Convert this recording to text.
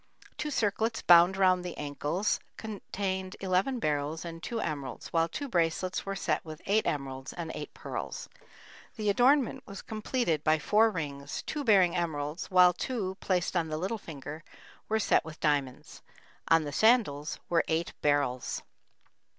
Two circlets bound around the ankles contained eleven beryls and two emeralds, while two bracelets were set with eight emeralds and eight pearls. The adornment was completed by four rings, two bearing emeralds, while two, placed on the little finger, were set with diamonds. On the sandals were eight beryls.